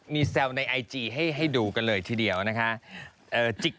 พี่มักดูอะไรไหม